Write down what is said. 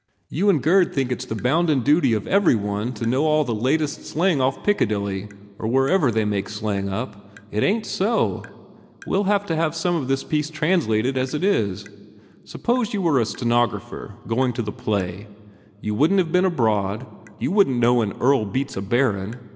You and Gurd seem to i 88 TODGERS INTRUDES think it s the bounden duty of every one to know all the latest English slang off Piccadilly or wherever they make slang up. It ain t so. We ll have to have some of this piece translated as it is. Suppose you were a stenographer going to the play? You wouldn t have been abroad. You wouldn t know an Earl beats a Baron.